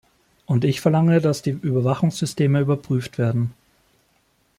Und ich verlange, dass die Überwachungssysteme überprüft werden.